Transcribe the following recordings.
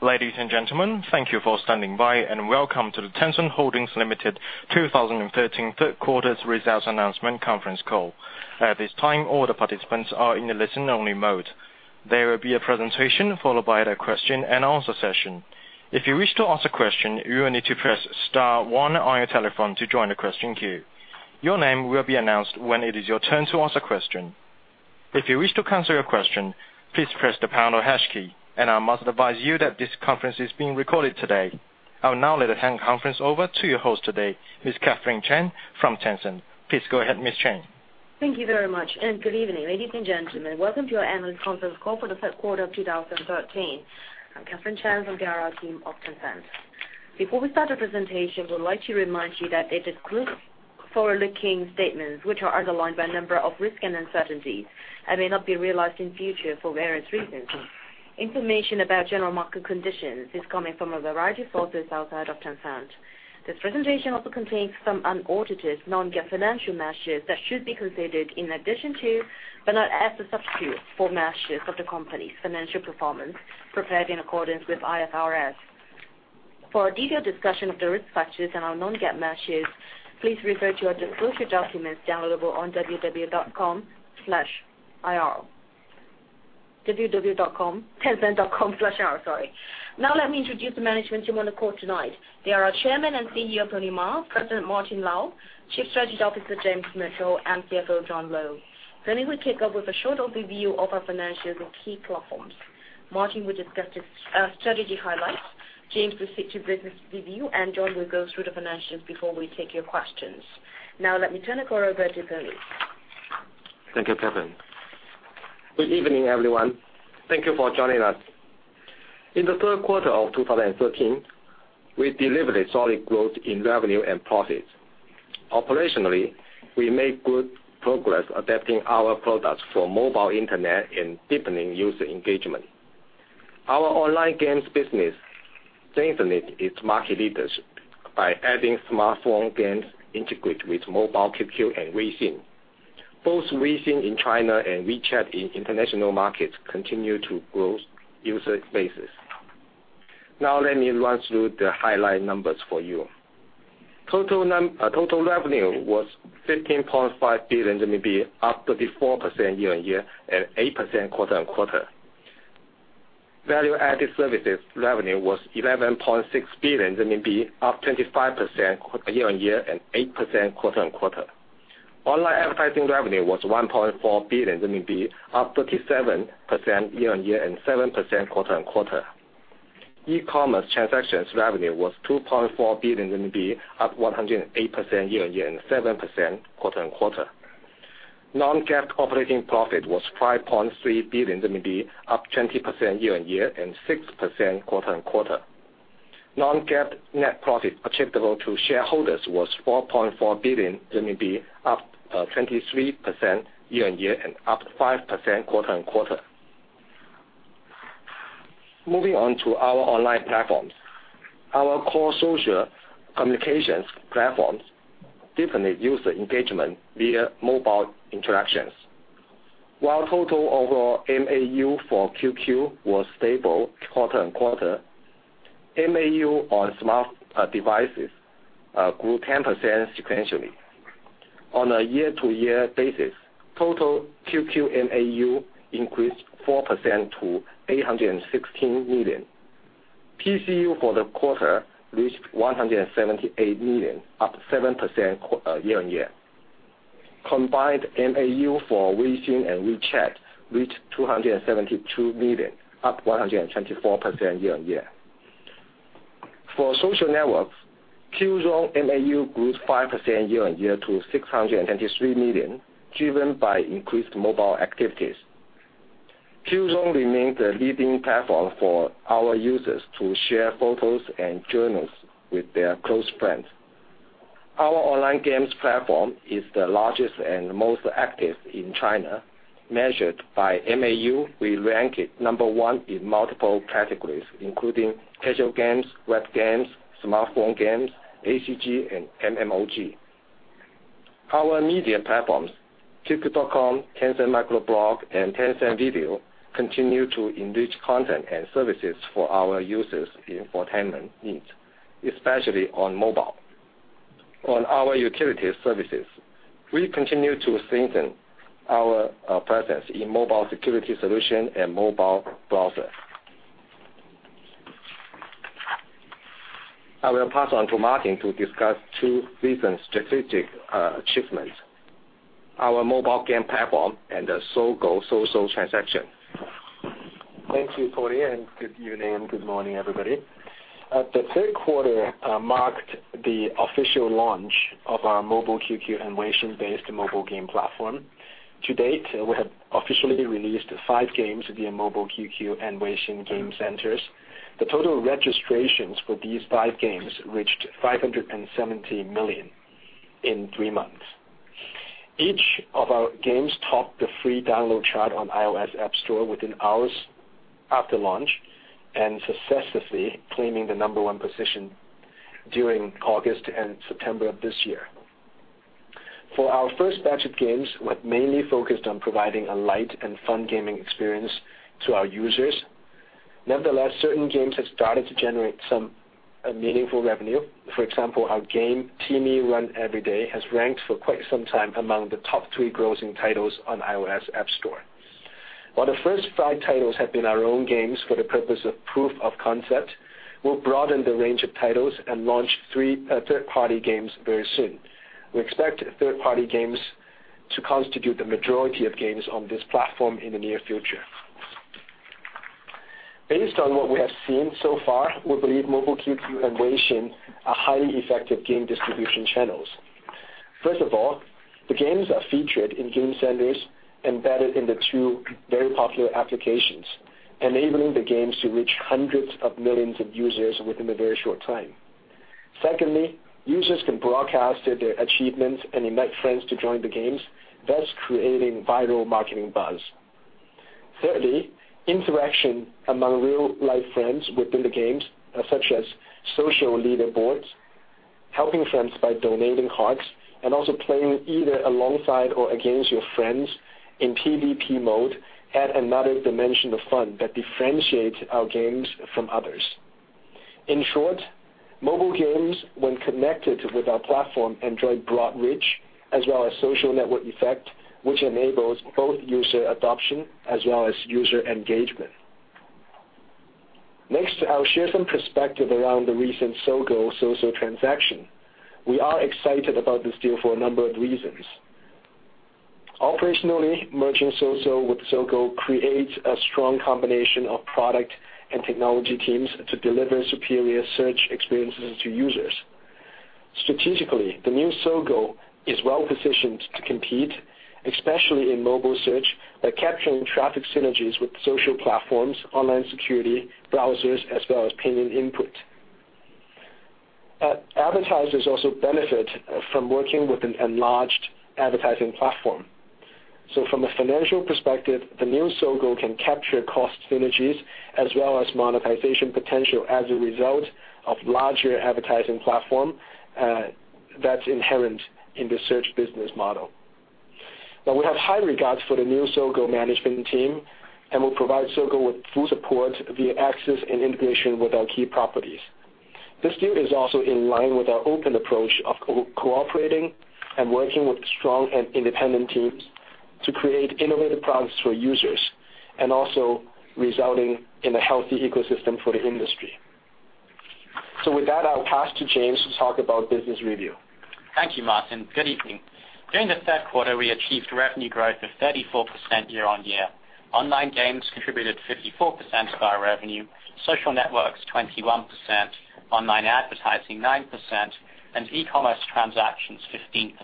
Ladies and gentlemen, thank you for standing by and welcome to the Tencent Holdings Limited 2013 third quarter results announcement conference call. At this time, all the participants are in a listen-only mode. There will be a presentation followed by a question-and-answer session. If you wish to ask a question, you will need to press star one on your telephone to join the question queue. Your name will be announced when it is your turn to ask a question. If you wish to cancel your question, please press the pound or hash key. I must advise you that this conference is being recorded today. I will now let hand conference over to your host today, Ms. Catherine Chan from Tencent. Please go ahead, Ms. Chan. Thank you very much. Good evening, ladies and gentlemen. Welcome to our annual conference call for the third quarter of 2013. I'm Catherine Chan from PR team of Tencent. Before we start the presentation, we'd like to remind you that it includes forward-looking statements, which are underlined by a number of risks and uncertainties and may not be realized in future for various reasons. Information about general market conditions is coming from a variety of sources outside of Tencent. This presentation also contains some unaudited non-GAAP financial measures that should be considered in addition to, but not as a substitute for, measures of the company's financial performance prepared in accordance with IFRS. For a detailed discussion of the risk factors and our non-GAAP measures, please refer to our disclosure documents downloadable on www.tencent.com/ir. Let me introduce the management team on the call tonight. They are our Chairman and CEO, Ma Huateng, President Martin Lau, Chief Strategy Officer James Mitchell, and CFO John Lo. Pony will kick off with a short overview of our financials and key platforms. Martin will discuss his strategy highlights. James will stick to business review. John will go through the financials before we take your questions. Let me turn the call over to Pony. Thank you, Catherine. Good evening, everyone. Thank you for joining us. In the third quarter of 2013, we delivered a solid growth in revenue and profits. Operationally, we made good progress adapting our products for mobile internet and deepening user engagement. Our online games business strengthened its market leadership by adding smartphone games integrated with Mobile QQ and WeChat. Both WeChat in China and WeChat in international markets continue to grow user bases. Let me run through the highlight numbers for you. Total revenue was 15.5 billion RMB, up 34% year-on-year and 8% quarter-on-quarter. Value-added services revenue was 11.6 billion RMB, up 25% year-on-year and 8% quarter-on-quarter. Online advertising revenue was 1.4 billion, up 37% year-on-year and 7% quarter-on-quarter. E-commerce transactions revenue was 2.4 billion RMB, up 108% year-on-year and 7% quarter-on-quarter. Non-GAAP operating profit was 5.3 billion RMB, up 20% year-on-year and 6% quarter-on-quarter. Non-GAAP net profit attributable to shareholders was 4.4 billion RMB, up 23% year-on-year and up 5% quarter-on-quarter. Moving on to our online platforms. Our core social communications platforms deepen the user engagement via mobile interactions. While total overall MAU for QQ was stable quarter-on-quarter, MAU on smart devices grew 10% sequentially. On a year-to-year basis, total QQ MAU increased 4% to 816 million. PCU for the quarter reached 178 million, up 7% year-on-year. Combined MAU for WeChat and Weixin reached 272 million, up 124% year-on-year. For social networks, Qzone MAU grew 5% year-on-year to 623 million, driven by increased mobile activities. Qzone remains the leading platform for our users to share photos and journals with their close friends. Our online games platform is the largest and most active in China, measured by MAU. We ranked number one in multiple categories, including casual games, web games, smartphone games, ACG, and MMOG. Our media platforms, QQ.com, Tencent Weibo, and Tencent Video, continue to enrich content and services for our users' infotainment needs, especially on mobile. On our utility services, we continue to strengthen our presence in mobile security solution and mobile browser. I will pass on to Martin Lau to discuss two recent strategic achievements, our mobile game platform and the Sogou social transaction. Thank you, Pony, and good evening, good morning, everybody. The third quarter marked the official launch of our Mobile QQ and WeChat-based mobile game platform. To date, we have officially released five games via Mobile QQ and WeChat game centers. The total registrations for these five games reached 570 million in three months. Each of our games topped the free download chart on iOS App Store within hours after launch and successively claiming the number one position during August and September of this year. For our first batch of games, we are mainly focused on providing a light and fun gaming experience to our users. Nevertheless, certain games have started to generate some meaningful revenue. For example, our game, Timi Run Every Day, has ranked for quite some time among the top three grossing titles on iOS App Store. While the first five titles have been our own games for the purpose of proof of concept, we will broaden the range of titles and launch third-party games very soon. We expect third-party games to constitute the majority of games on this platform in the near future. Based on what we have seen so far, we believe Mobile QQ and Weixin are highly effective game distribution channels. First of all, the games are featured in game centers embedded in the two very popular applications, enabling the games to reach hundreds of millions of users within a very short time. Secondly, users can broadcast their achievements and invite friends to join the games, thus creating viral marketing buzz. Thirdly, interaction among real-life friends within the games, such as social leaderboards, helping friends by donating hearts, and also playing either alongside or against your friends in PVP mode, add another dimension of fun that differentiates our games from others. In short, mobile games, when connected with our platform, enjoy broad reach as well as social network effect, which enables both user adoption as well as user engagement. Next, I'll share some perspective around the recent Sogou, Soso transaction. We are excited about this deal for a number of reasons. Operationally, merging Soso with Sogou creates a strong combination of product and technology teams to deliver superior search experiences to users. Strategically, the new Sogou is well-positioned to compete, especially in mobile search, by capturing traffic synergies with social platforms, online security, browsers, as well as opinion input. Advertisers also benefit from working with an enlarged advertising platform. From a financial perspective, the new Sogou can capture cost synergies as well as monetization potential as a result of larger advertising platform that's inherent in the search business model. Now we have high regards for the new Sogou management team, and we'll provide Sogou with full support via access and integration with our key properties. This deal is also in line with our open approach of cooperating and working with strong and independent teams to create innovative products for users, and also resulting in a healthy ecosystem for the industry. With that, I'll pass to James to talk about business review. Thank you, Martin. Good evening. During the third quarter, we achieved revenue growth of 34% year-on-year. Online games contributed 54% of our revenue, social networks 21%, online advertising 9%, and e-commerce transactions 15%.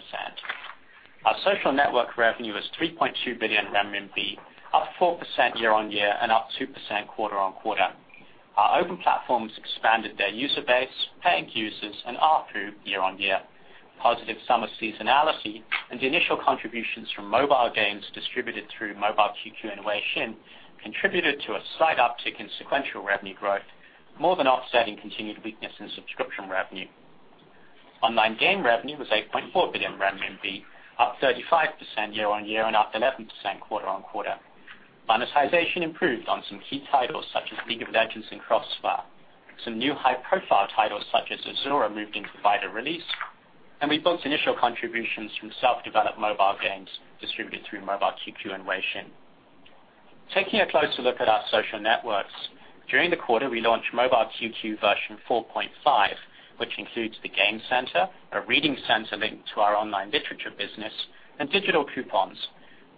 Our social network revenue was 3.2 billion RMB, up 4% year-on-year and up 2% quarter-on-quarter. Our open platforms expanded their user base, paying users and ARPU year-on-year. Positive summer seasonality and the initial contributions from mobile games distributed through Mobile QQ and Weixin contributed to a slight uptick in sequential revenue growth, more than offsetting continued weakness in subscription revenue. Online game revenue was 8.4 billion renminbi, up 35% year-on-year and up 11% quarter-on-quarter. Monetization improved on some key titles such as League of Legends and Crossfire. Some new high-profile titles such as Asura moved into wider release, and we booked initial contributions from self-developed mobile games distributed through Mobile QQ and Weixin. Taking a closer look at our social networks, during the quarter, we launched Mobile QQ version 4.5, which includes the Game Center, a reading center linked to our online literature business, and digital coupons.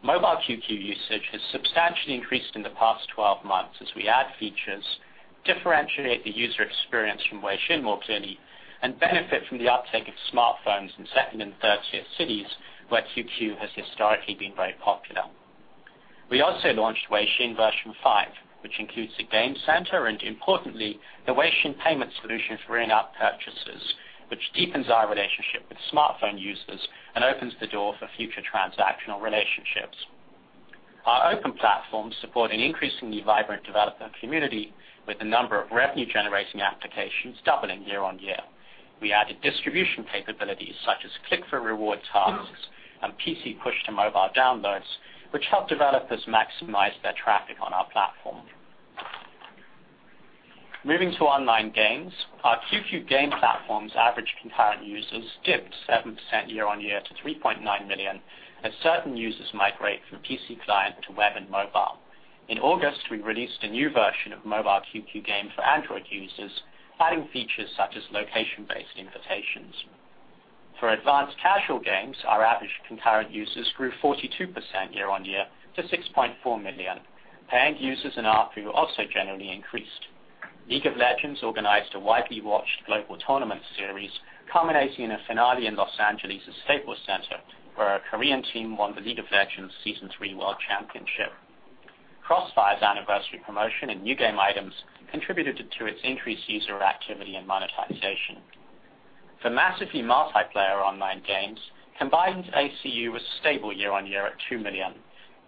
Mobile QQ usage has substantially increased in the past 12 months as we add features, differentiate the user experience from Weixin more clearly, and benefit from the uptake of smartphones in 2nd and 3rd-tier cities where QQ has historically been very popular. We also launched Weixin version 5, which includes a game center and importantly, the Weixin payment solution for in-app purchases, which deepens our relationship with smartphone users and opens the door for future transactional relationships. Our open platforms support an increasingly vibrant development community with the number of revenue-generating applications doubling year-on-year. We added distribution capabilities such as click for reward tasks and PC push to mobile downloads, which help developers maximize their traffic on our platform. Moving to online games, our QQ Games platform's average concurrent users dipped 7% year-on-year to 3.9 million as certain users migrate from PC client to web and mobile. In August, we released a new version of Mobile QQ Game for Android users, adding features such as location-based invitations. For advanced casual games, our average concurrent users grew 42% year-on-year to 6.4 million. Paying users and ARPU also generally increased. League of Legends organized a widely watched global tournament series culminating in a finale in L.A. at Staples Center, where a Korean team won the League of Legends Season 3 World Championship. Crossfire's anniversary promotion and new game items contributed to its increased user activity and monetization. For massively multiplayer online games, combined ACU was stable year-on-year at 2 million.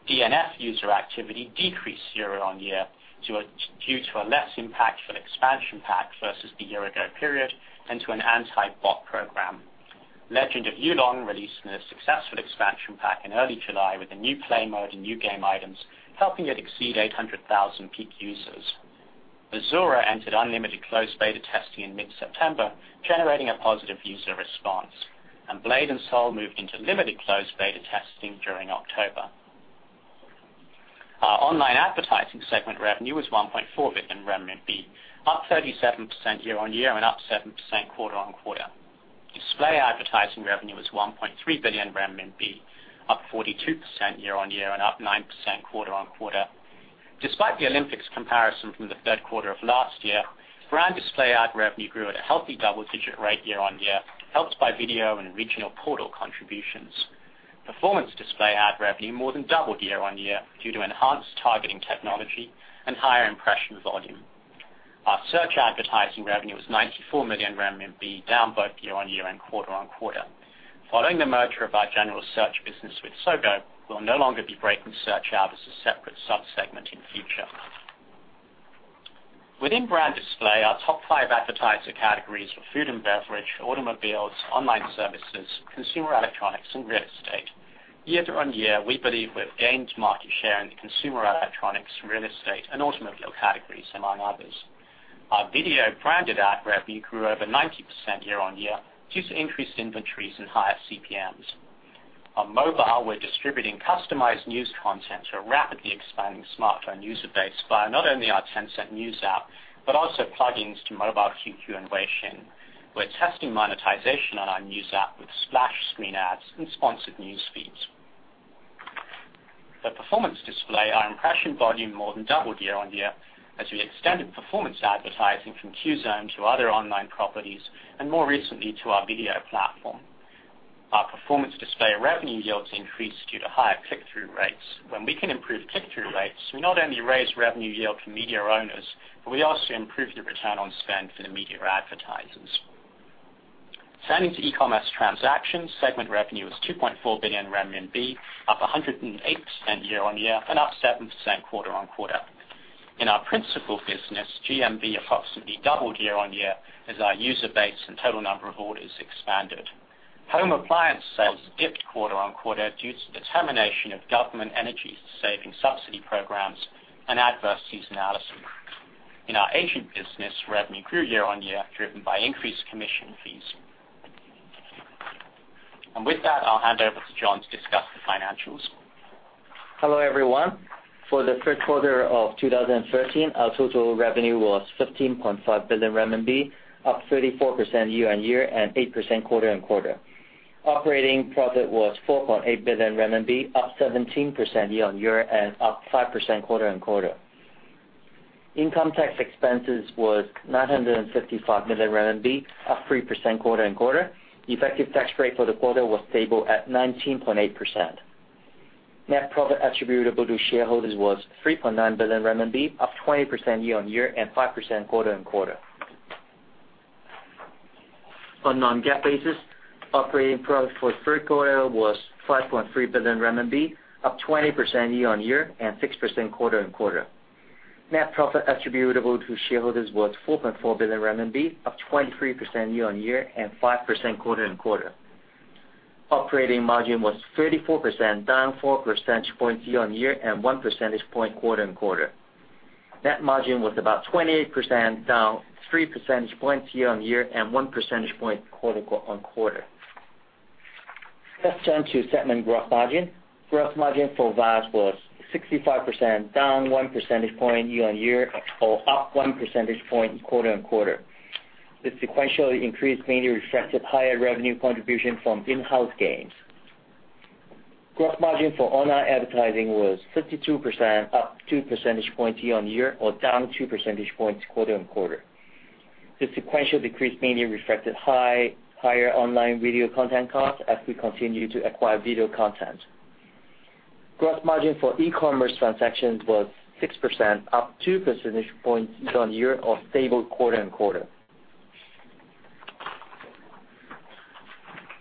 DNF user activity decreased year-on-year due to a less impactful expansion pack versus the year-ago period and to an anti-bot program. Legend of Xuanyuan released a successful expansion pack in early July with a new play mode and new game items, helping it exceed 800,000 peak users. Asura entered unlimited closed beta testing in mid-September, generating a positive user response. Blade & Soul moved into limited closed beta testing during October. Our online advertising segment revenue was 1.4 billion, up 37% year-on-year and up 7% quarter-on-quarter. Display advertising revenue was 1.3 billion RMB, up 42% year-on-year and up 9% quarter-on-quarter. Despite the Olympics comparison from the third quarter of last year, brand display ad revenue grew at a healthy double-digit rate year-on-year, helped by video and regional portal contributions. Performance display ad revenue more than doubled year-on-year due to enhanced targeting technology and higher impression volume. Our search advertising revenue was 94 million renminbi, down both year-on-year and quarter-on-quarter. Following the merger of our general search business with Sogou, we'll no longer be breaking search out as a separate sub-segment in the future. Within brand display, our top 5 advertiser categories were food and beverage, automobiles, online services, consumer electronics, and real estate. Year-on-year, we believe we have gained market share in the consumer electronics, real estate, and automobile categories, among others. Our video branded ad revenue grew over 90% year-on-year due to increased inventories and higher CPMs. On mobile, we're distributing customized news content to a rapidly expanding smartphone user base via not only our Tencent News app, but also plugins to Mobile QQ and Weixin. We're testing monetization on our News app with splash screen ads and sponsored news feeds. For performance display, our impression volume more than doubled year-on-year as we extended performance advertising from Qzone to other online properties, and more recently to our video platform. Our performance display revenue yields increased due to higher click-through rates. When we can improve click-through rates, we not only raise revenue yield for media owners, but we also improve the return on spend for the media advertisers. Turning to e-commerce transactions, segment revenue was 2.4 billion renminbi, up 108% year-on-year and up 7% quarter-on-quarter. In our principal business, GMV approximately doubled year-on-year as our user base and total number of orders expanded. Home appliance sales dipped quarter-on-quarter due to the termination of government energy-saving subsidy programs and adverse seasonality. In our agent business, revenue grew year-on-year, driven by increased commission fees. With that, I'll hand over to John to discuss the financials. Hello, everyone. For the third quarter of 2013, our total revenue was 15.5 billion RMB, up 34% year-on-year and 8% quarter-on-quarter. Operating profit was 4.8 billion RMB, up 17% year-on-year and up 5% quarter-on-quarter. Income tax expenses was 955 million RMB, up 3% quarter-on-quarter. Effective tax rate for the quarter was stable at 19.8%. Net profit attributable to shareholders was 3.9 billion renminbi, up 20% year-on-year and 5% quarter-on-quarter. On non-GAAP basis, operating profit for the third quarter was 5.3 billion renminbi, up 20% year-on-year and 6% quarter-on-quarter. Net profit attributable to shareholders was 4.4 billion RMB, up 23% year-on-year and 5% quarter-on-quarter. Operating margin was 34%, down four percentage points year-on-year and one percentage point quarter-on-quarter. Net margin was about 28%, down three percentage points year-on-year and one percentage point quarter-on-quarter. Let's turn to segment gross margin. Gross margin for VAS was 65%, down one percentage point year-on-year, or up one percentage point quarter-on-quarter. The sequential increase mainly reflected higher revenue contribution from in-house games. Gross margin for online advertising was 52%, up two percentage points year-on-year or down two percentage points quarter-on-quarter. The sequential decrease mainly reflected higher online video content costs as we continue to acquire video content. Gross margin for e-commerce transactions was 6%, up two percentage points year-on-year, or stable quarter-on-quarter.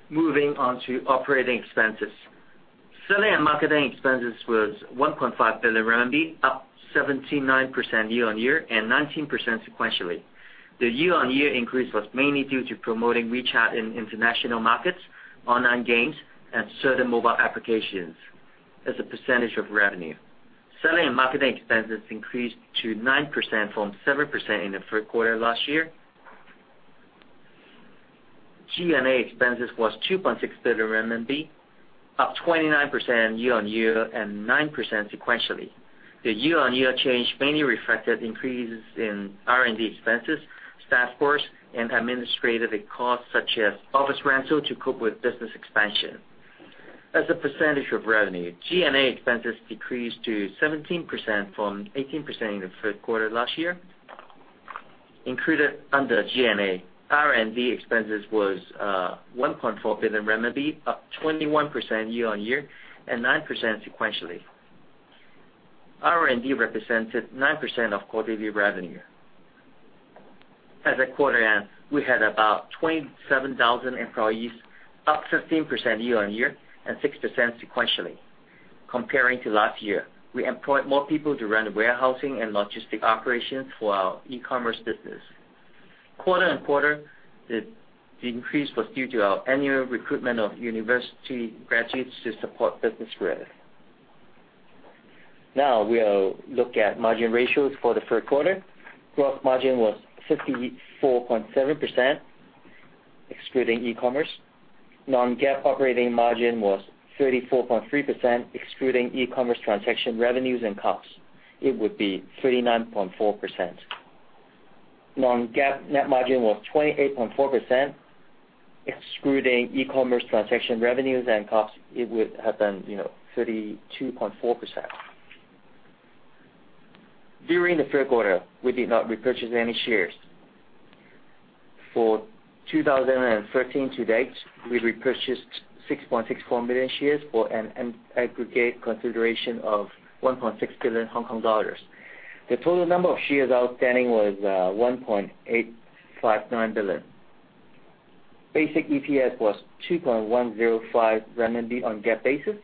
Moving on to operating expenses. Selling and marketing expenses was 1.5 billion RMB, up 79% year-on-year and 19% sequentially. The year-on-year increase was mainly due to promoting WeChat in international markets, online games, and certain mobile applications as a percentage of revenue. Selling and marketing expenses increased to 9% from 7% in the third quarter last year. G&A expenses was 2.6 billion RMB, up 29% year-on-year and 9% sequentially. The year-on-year change mainly reflected increases in R&D expenses, staff costs, and administrative costs such as office rental to cope with business expansion. As a percentage of revenue, G&A expenses decreased to 17% from 18% in the third quarter last year. Included under G&A, R&D expenses was 1.4 billion RMB, up 21% year-on-year and 9% sequentially. R&D represented 9% of quarterly revenue. As of quarter end, we had about 27,000 employees, up 15% year-on-year and 6% sequentially. Comparing to last year, we employed more people to run the warehousing and logistic operations for our e-commerce business. Quarter-on-quarter, the increase was due to our annual recruitment of university graduates to support business growth. Now we'll look at margin ratios for the third quarter. Gross margin was 54.7%, excluding e-commerce. Non-GAAP operating margin was 34.3%, excluding e-commerce transaction revenues and costs, it would be 39.4%. Non-GAAP net margin was 28.4%, excluding e-commerce transaction revenues and costs, it would have been 32.4%. During the third quarter, we did not repurchase any shares. For 2013 to date, we repurchased 6.64 million shares for an aggregate consideration of 1.6 billion Hong Kong dollars. The total number of shares outstanding was 1.859 billion. Basic EPS was 2.105 renminbi on GAAP basis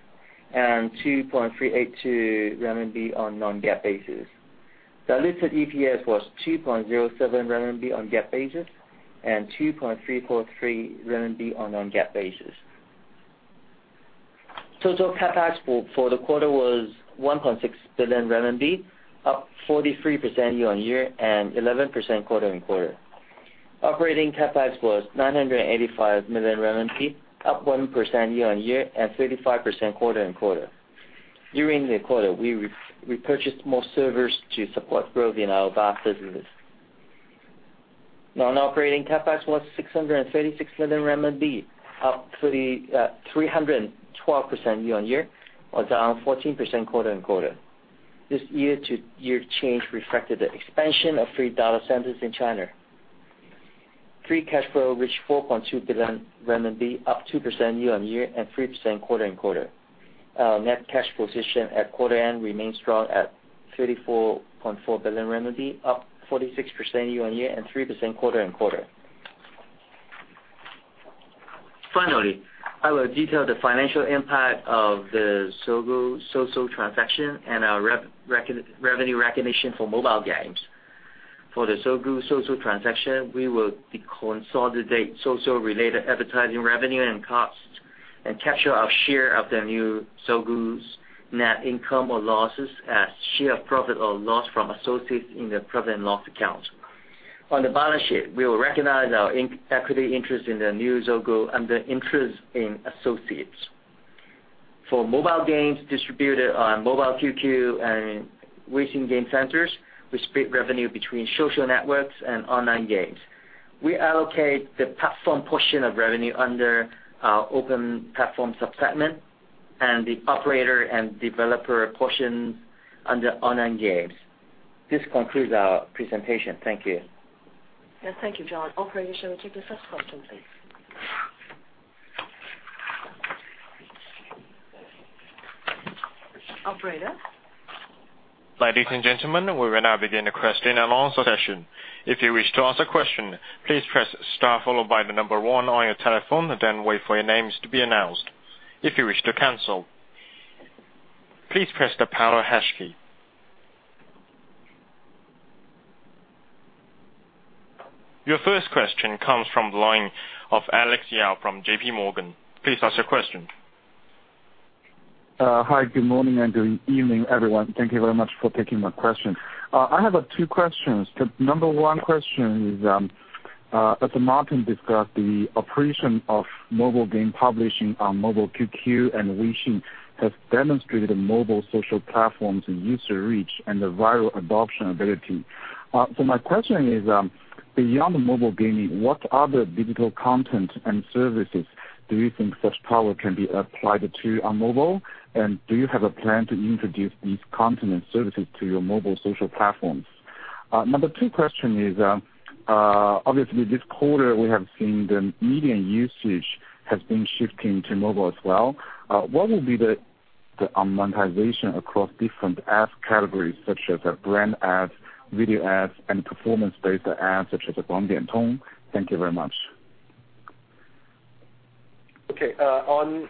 and 2.382 renminbi on non-GAAP basis. The listed EPS was 2.07 renminbi on GAAP basis and 2.343 renminbi on non-GAAP basis. Total CapEx for the quarter was 1.6 billion RMB, up 43% year-on-year and 11% quarter-on-quarter. Operating CapEx was 985 million RMB, up 1% year-on-year and 35% quarter-on-quarter. During the quarter, we repurchased more servers to support growth in our PaaS businesses. Non-operating CapEx was CNY 636 million, up 312% year-on-year, or down 14% quarter-on-quarter. This year-to-year change reflected the expansion of three data centers in China. Free cash flow reached 4.2 billion RMB, up 2% year-on-year and 3% quarter-on-quarter. Our net cash position at quarter end remains strong at 34.4 billion renminbi, up 46% year-on-year and 3% quarter-on-quarter. Finally, I will detail the financial impact of the Sogou-Soso transaction and our revenue recognition for mobile games. For the Sogou-Soso transaction, we will deconsolidate Soso-related advertising revenue and costs and capture our share of the new Sogou's net income or losses as share profit or loss from associates in the profit and loss account. On the balance sheet, we will recognize our equity interest in the new Sogou under interest in associates. For mobile games distributed on Mobile QQ and Weixin game centers, we split revenue between social networks and online games. We allocate the platform portion of revenue under our open platform segment and the operator and developer portions under online games. This concludes our presentation. Thank you. Yes, thank you, John. Operator, shall we take the first question, please? Operator? Ladies and gentlemen, we will now begin the question-and-answer session. If you wish to ask a question, please press star followed by the number one on your telephone, then wait for your names to be announced. If you wish to cancel, please press the pound or hash key. Your first question comes from the line of Alex Yao from JPMorgan. Please ask your question. Hi, good morning and good evening, everyone. Thank you very much for taking my question. I have two questions. The number 1 question is, Martin discussed the operation of mobile game publishing on Mobile QQ and Weixin has demonstrated mobile social platforms' user reach and the viral adoption ability. My question is, beyond mobile gaming, what other digital content and services do you think such power can be applied to on mobile? Do you have a plan to introduce these content and services to your mobile social platforms? The number 2 question is, obviously this quarter we have seen the media usage has been shifting to mobile as well. What will be the monetization across different ads categories such as brand ads, video ads, and performance-based ads such as Guangdiantong? Thank you very much. Okay. On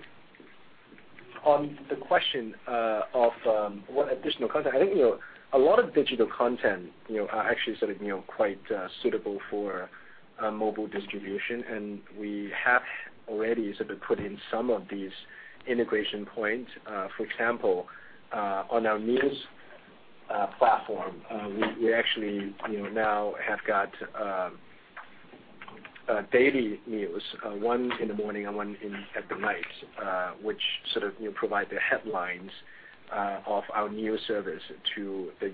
the question of what additional content, I think a lot of digital content are actually quite suitable for mobile distribution, we have already sort of put in some of these integration points. For example, on our news platform, we actually now have got daily news, one in the morning and one at the night, which sort of provide the headlines of our news service to the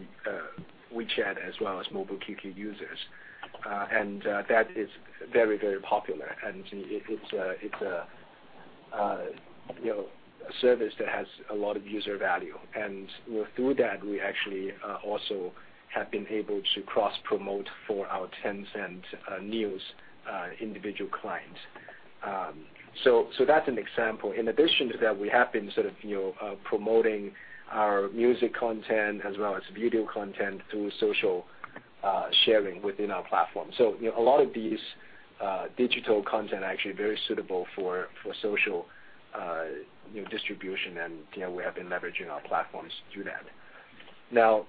WeChat as well as Mobile QQ users. That is very popular, and it's a service that has a lot of user value. Through that, we actually also have been able to cross-promote for our Tencent News individual clients. That's an example. In addition to that, we have been sort of promoting our music content as well as video content through social - sharing within our platform. A lot of these digital content are actually very suitable for social distribution, we have been leveraging our platforms to do that. Now,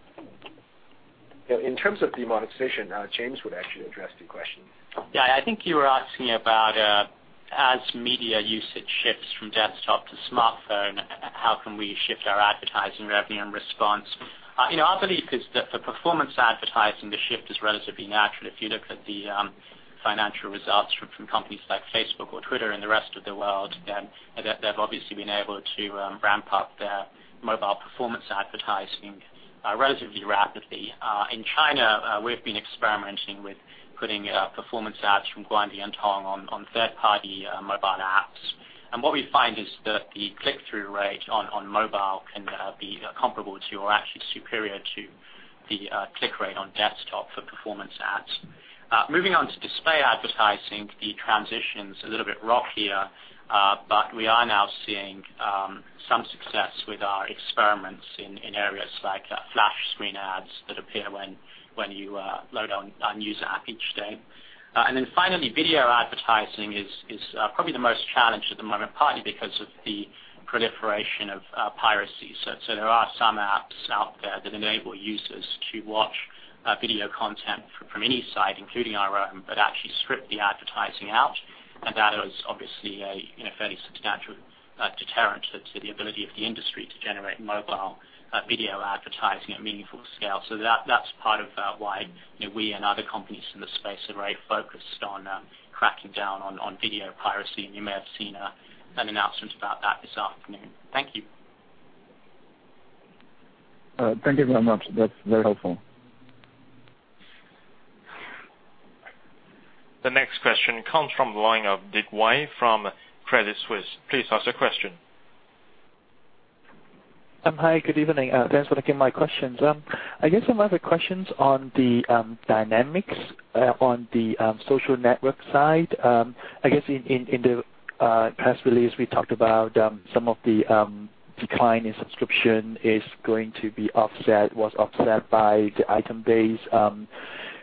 in terms of the monetization, James would actually address the question. I think you were asking about as media usage shifts from desktop to smartphone, how can we shift our advertising revenue in response? Our belief is that for performance advertising, the shift is relatively natural. If you look at the financial results from companies like Facebook or Twitter and the rest of the world, they've obviously been able to ramp up their mobile performance advertising relatively rapidly. In China, we've been experimenting with putting performance ads from Guangdiantong on third-party mobile apps. What we find is that the click-through rate on mobile can be comparable to, or actually superior to, the click rate on desktop for performance ads. Moving on to display advertising, the transition's a little bit rockier, we are now seeing some success with our experiments in areas like splash screen ads that appear when you load a news app each day. Finally, video advertising is probably the most challenged at the moment, partly because of the proliferation of piracy. There are some apps out there that enable users to watch video content from any site, including our own, actually strip the advertising out. That is obviously a fairly substantial deterrent to the ability of the industry to generate mobile video advertising at meaningful scale. That's part of why we and other companies in the space are very focused on cracking down on video piracy. You may have seen an announcement about that this afternoon. Thank you. Thank you very much. That's very helpful. The next question comes from the line of Dick Wei from Credit Suisse. Please ask your question. Hi, good evening. Thanks for taking my questions. I guess some other questions on the dynamics on the social network side. I guess in the press release, we talked about some of the decline in subscription was offset by the item-based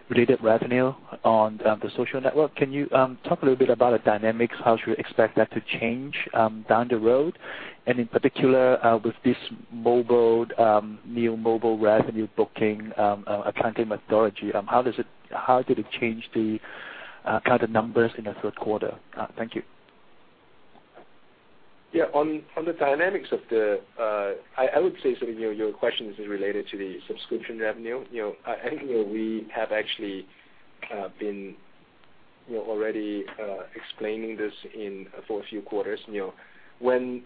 related revenue on the social network. Can you talk a little bit about the dynamics? How should we expect that to change down the road? In particular, with this new mobile revenue booking accounting methodology, how did it change the kind of numbers in the third quarter? Thank you. Yeah. I would say some of your questions is related to the subscription revenue. I think we have actually been already explaining this for a few quarters. When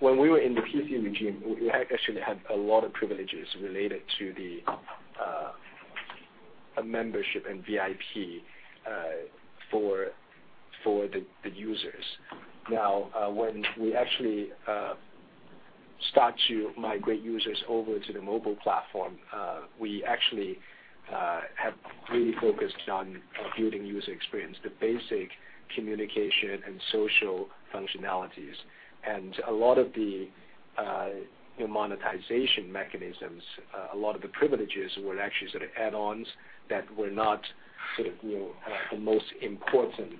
we were in the PC regime, we actually had a lot of privileges related to the membership and VIP for the users. When we actually start to migrate users over to the mobile platform, we actually have really focused on building user experience, the basic communication and social functionalities. A lot of the monetization mechanisms, a lot of the privileges were actually sort of add-ons that were not the most important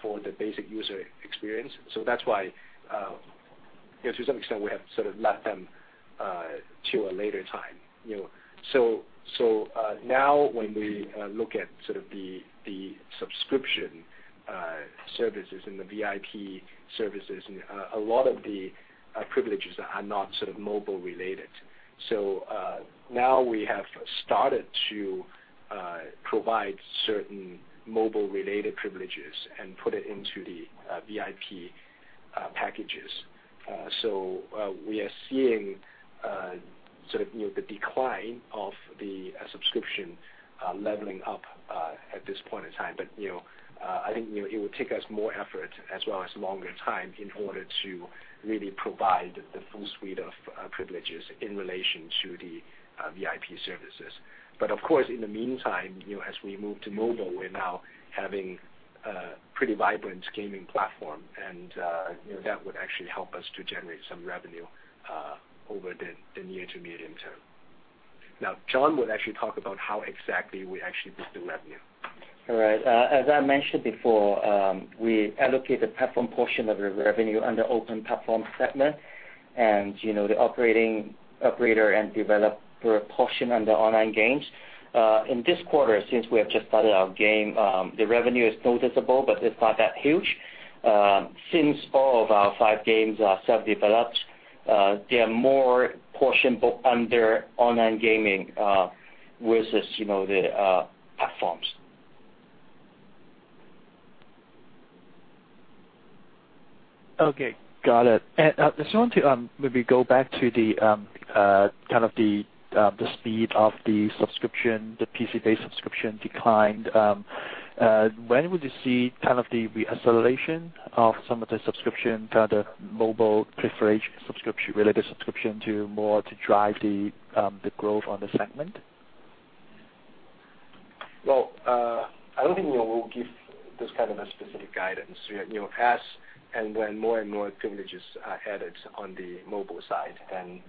for the basic user experience. That's why, to some extent, we have sort of left them to a later time. Now when we look at the subscription services and the VIP services, a lot of the privileges are not mobile related. Now we have started to provide certain mobile-related privileges and put it into the VIP packages. We are seeing the decline of the subscription leveling up at this point in time. I think it would take us more effort as well as longer time in order to really provide the full suite of privileges in relation to the VIP services. Of course, in the meantime, as we move to mobile, we're now having a pretty vibrant gaming platform, and that would actually help us to generate some revenue over the near to medium term. John would actually talk about how exactly we actually book the revenue. All right. As I mentioned before, we allocate the platform portion of the revenue under open platform segment and the operator and developer portion under online games. In this quarter, since we have just started our game, the revenue is noticeable, but it's not that huge. Since all of our five games are self-developed, they are more portion booked under online gaming versus the platforms. Okay. Got it. I just want to maybe go back to the speed of the subscription, the PC-based subscription declined. When would you see kind of the re-acceleration of some of the subscription, kind of mobile proliferation related subscription to more to drive the growth on the segment? Well, I don't think we will give this kind of a specific guidance. As and when more and more privileges are added on the mobile side, then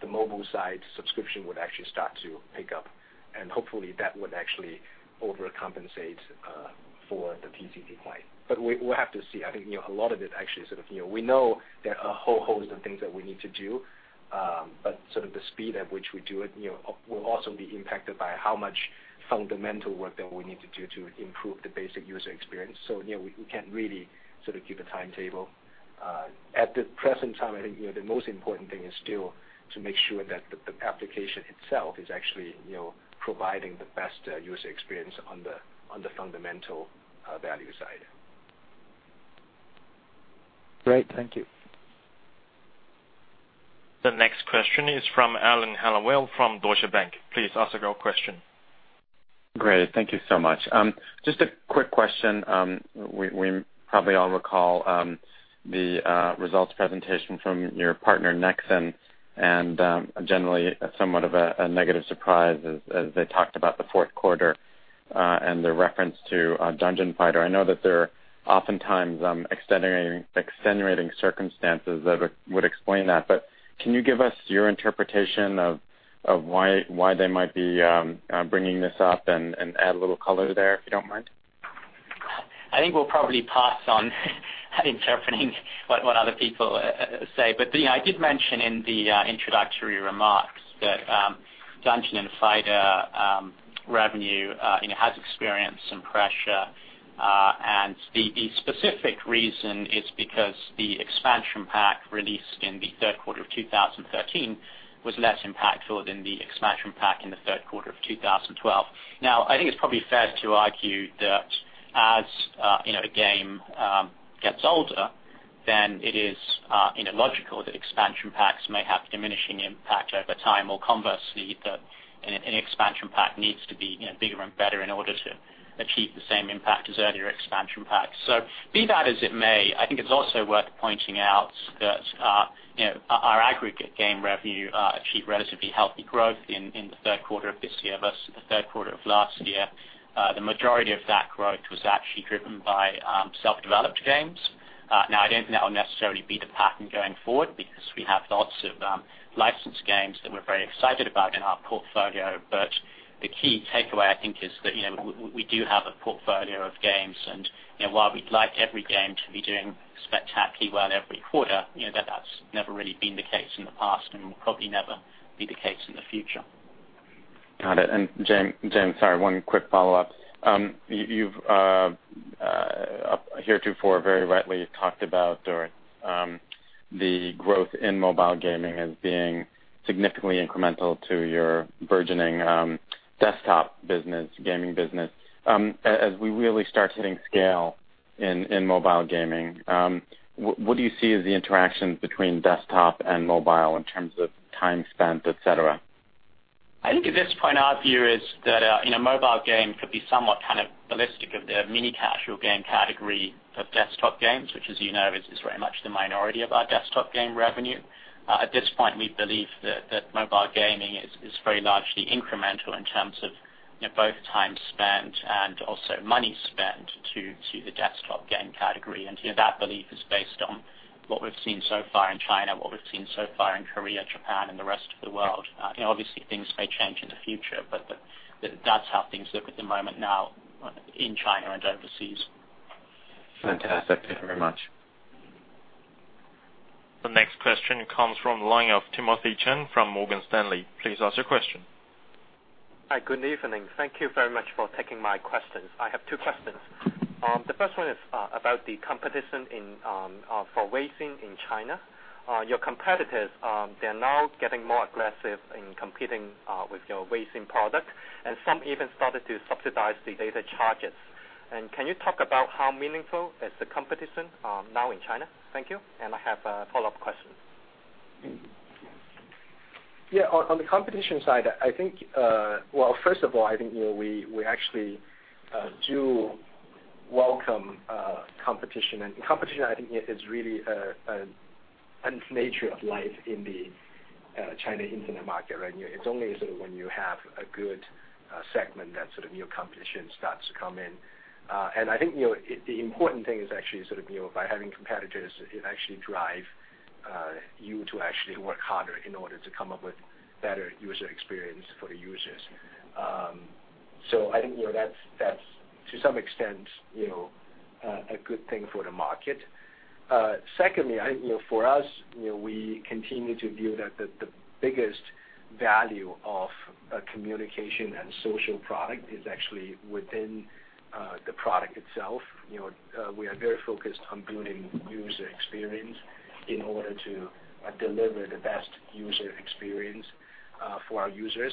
the mobile side subscription would actually start to pick up, and hopefully that would actually overcompensate for the PC decline. We'll have to see. I think, a lot of it actually, we know there are a whole host of things that we need to do. Sort of the speed at which we do it will also be impacted by how much fundamental work that we need to do to improve the basic user experience. We can't really give a timetable. At the present time, I think, the most important thing is still to make sure that the application itself is actually providing the best user experience on the fundamental value side. Great. Thank you. The next question is from Alan Hellawell from Deutsche Bank. Please ask your question. Great. Thank you so much. Just a quick question. We probably all recall the results presentation from your partner, Nexon, and generally, somewhat of a negative surprise as they talked about the fourth quarter, and the reference to Dungeon & Fighter. I know that there are oftentimes extenuating circumstances that would explain that, but can you give us your interpretation of why they might be bringing this up and add a little color there, if you don't mind? I think we'll probably pass on interpreting what other people say. I did mention in the introductory remarks that Dungeon & Fighter revenue has experienced some pressure. The specific reason is because the expansion pack released in the third quarter of 2013 was less impactful than the expansion pack in the third quarter of 2012. I think it's probably fair to argue that as a game gets older, it is logical that expansion packs may have diminishing impact over time, or conversely, that an expansion pack needs to be bigger and better in order to achieve the same impact as earlier expansion packs. Be that as it may, I think it's also worth pointing out that our aggregate game revenue achieved relatively healthy growth in the third quarter of this year versus the third quarter of last year. The majority of that growth was actually driven by self-developed games. I don't think that will necessarily be the pattern going forward because we have lots of licensed games that we're very excited about in our portfolio. The key takeaway, I think, is that we do have a portfolio of games, and while we'd like every game to be doing spectacularly well every quarter, that's never really been the case in the past and will probably never be the case in the future. Got it. James, sorry, one quick follow-up. You've heretofore very rightly talked about the growth in mobile gaming as being significantly incremental to your burgeoning desktop business, gaming business. As we really start hitting scale in mobile gaming, what do you see as the interactions between desktop and mobile in terms of time spent, et cetera? I think at this point, our view is that mobile game could be somewhat cannibalistic of the mini casual game category of desktop games, which as you know, is very much the minority of our desktop game revenue. At this point, we believe that mobile gaming is very largely incremental in terms of both time spent and also money spent to the desktop game category. That belief is based on what we've seen so far in China, what we've seen so far in Korea, Japan, and the rest of the world. Obviously, things may change in the future, but that's how things look at the moment now in China and overseas. Fantastic. Thank you very much. The next question comes from the line of Timothy Chan from Morgan Stanley. Please ask your question. Hi. Good evening. Thank you very much for taking my questions. I have two questions. The first one is about the competition for Weixin in China. Your competitors, they're now getting more aggressive in competing with your racing product, and some even started to subsidize the data charges. Can you talk about how meaningful is the competition now in China? Thank you, and I have a follow-up question. Yeah. On the competition side, well, first of all, I think we actually do welcome competition. Competition, I think, is really a nature of life in the China Internet market, right? It's only when you have a good segment that competition starts to come in. I think the important thing is actually by having competitors, it actually drives you to actually work harder in order to come up with better user experience for the users. I think that's, to some extent, a good thing for the market. Secondly, I think for us, we continue to view that the biggest value of a communication and social product is actually within the product itself. We are very focused on building user experience in order to deliver the best user experience for our users.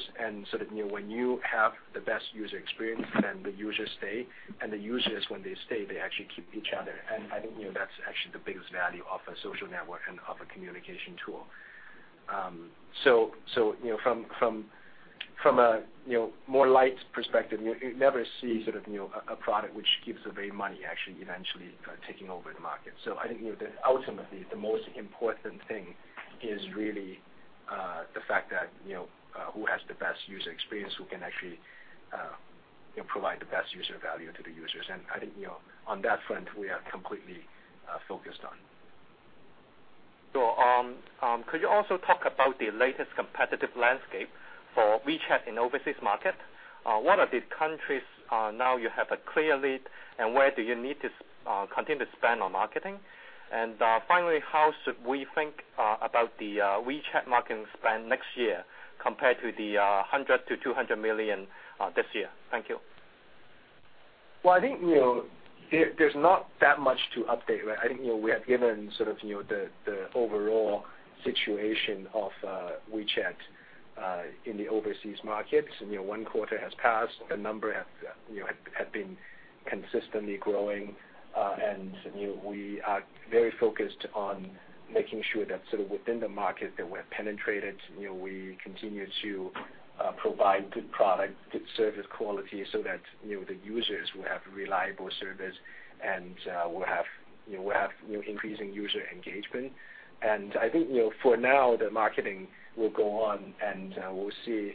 When you have the best user experience, then the users stay. The users, when they stay, they actually keep each other. I think that's actually the biggest value of a social network and of a communication tool. From a more light perspective, you never see a product which gives away money actually eventually taking over the market. I think ultimately, the most important thing is really the fact that who has the best user experience, who can actually provide the best user value to the users. I think, on that front, we are completely focused on. Sure. Could you also talk about the latest competitive landscape for WeChat in overseas market? What are the countries now you have a clear lead, and where do you need to continue to spend on marketing? Finally, how should we think about the WeChat marketing spend next year compared to the 100 million to 200 million this year? Thank you. I think there's not that much to update, right? I think we have given sort of the overall situation of WeChat in the overseas markets. One quarter has passed. The number had been consistently growing, we are very focused on making sure that within the market that we're penetrated, we continue to provide good product, good service quality, so that the users will have reliable service and we'll have increasing user engagement. I think for now, the marketing will go on, we'll see,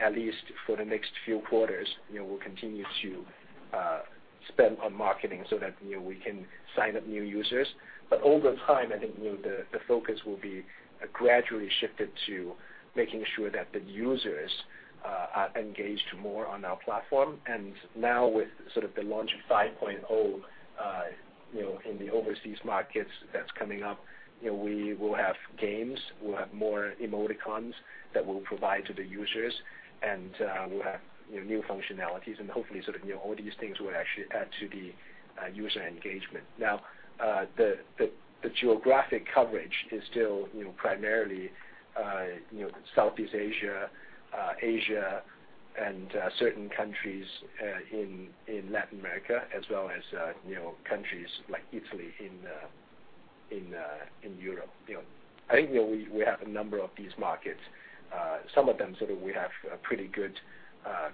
at least for the next few quarters, we'll continue to spend on marketing so that we can sign up new users. Over time, I think the focus will be gradually shifted to making sure that the users are engaged more on our platform. Now with sort of the launch of 5.0 in the overseas markets that's coming up, we will have games, we'll have more emoticons that we'll provide to the users, we'll have new functionalities, and hopefully all these things will actually add to the user engagement. The geographic coverage is still primarily Southeast Asia, and certain countries in Latin America, as well as countries like Italy in Europe. I think we have a number of these markets. Some of them we have a pretty good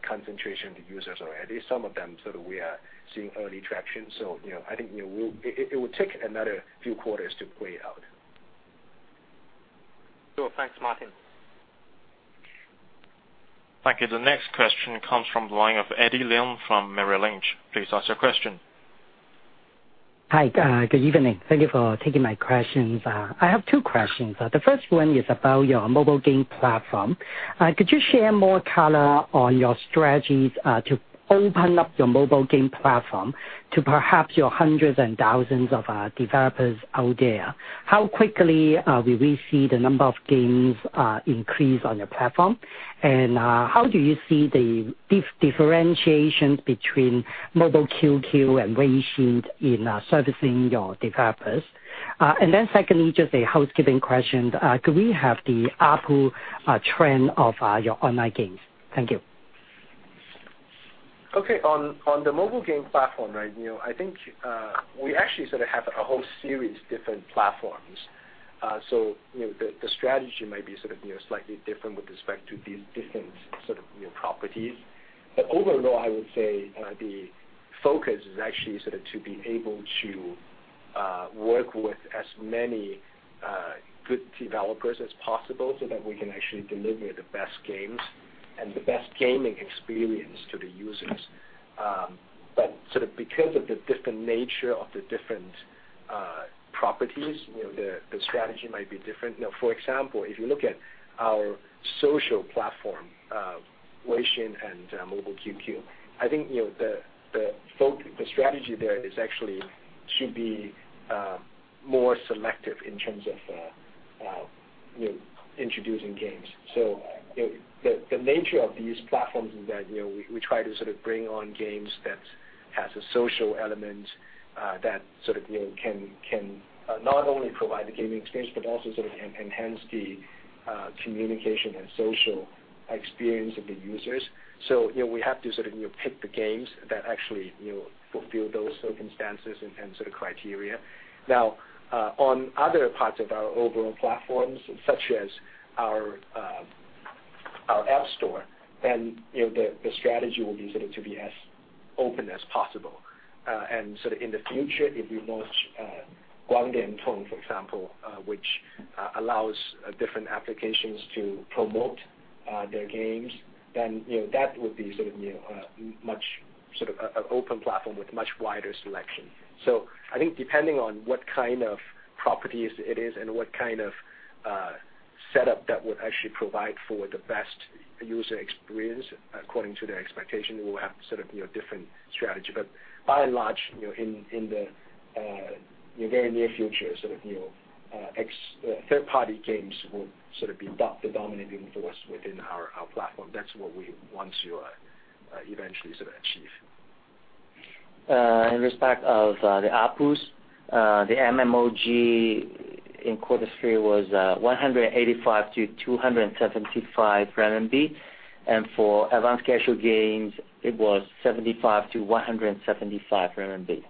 concentration of users already. Some of them we are seeing early traction. I think it will take another few quarters to play out. Sure. Thanks, Martin. Thank you. The next question comes from the line of Eddie Leung from Merrill Lynch. Please ask your question. Hi. Good evening. Thank you for taking my questions. I have two questions. The first one is about your mobile game platform. Could you share more color on your strategies to open up your mobile game platform to perhaps your hundreds and thousands of developers out there? How quickly will we see the number of games increase on your platform? How do you see the differentiation between Mobile QQ and Weixin in servicing your developers? Secondly, just a housekeeping question. Could we have the ARPU trend of your online games? Thank you. Okay. On the mobile game platform right now, I think we actually sort of have a whole series of different platforms. The strategy might be sort of slightly different with respect to these different sort of properties. Overall, I would say the focus is actually sort of to be able to work with as many good developers as possible so that we can actually deliver the best games and the best gaming experience to the users. Because of the different nature of the different properties, the strategy might be different. For example, if you look at our social platform, Weixin and Mobile QQ, I think the strategy there is actually should be more selective in terms of introducing games. The nature of these platforms is that we try to sort of bring on games that has a social element that sort of can not only provide the gaming experience, but also sort of enhance the communication and social experience of the users. We have to sort of pick the games that actually fulfill those circumstances and sort of criteria. Now, on other parts of our overall platforms, such as our App Store, the strategy will be sort of to be as open as possible. In the future, if we launch Guangdiantong, for example, which allows different applications to promote their games, then that would be sort of a open platform with much wider selection. I think depending on what kind of properties it is and what kind of setup that would actually provide for the best user experience according to their expectation, we'll have to sort of different strategy. By and large, in the very near future, third-party games will sort of be the dominant force within our platform. That's what we want to eventually sort of achieve. In respect of the ARPUs, the MMOG in quarter three was 185-275 RMB, and for advanced casual games, it was 75-175 RMB.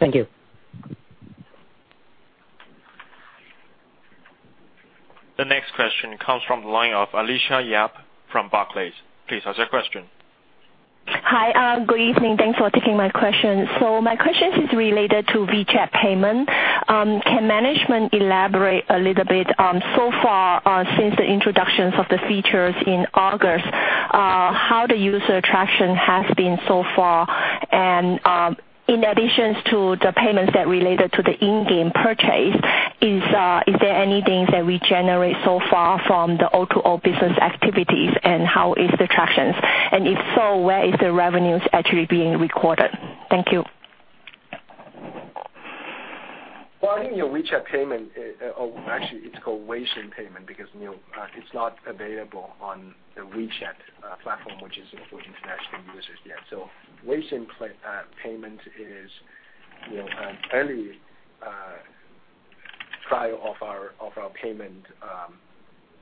Thank you. The next question comes from the line of Alicia Yap from Barclays. Please ask your question. Hi, good evening. Thanks for taking my question. My question is related to WeChat payment. Can management elaborate a little bit, so far since the introduction of the features in August, how the user traction has been so far and, in addition to the payments that related to the in-game purchase, is there anything that we generate so far from the O2O business activities and how is the traction? If so, where is the revenue actually being recorded? Thank you. I think your WeChat payment, actually it's called Weixin Pay because it's not available on the WeChat platform, which is for international users yet. Weixin Pay is an early trial of our payment